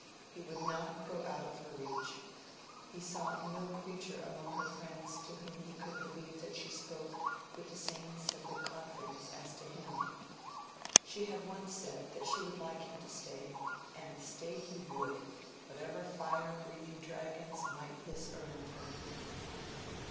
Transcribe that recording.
He would not go out of her reach. He saw no creature among her friends to whom he could believe that she spoke with the same simple confidence as to him. She had once said that she would like him to stay; and stay he would, whatever fire breathing dragons might hiss around her.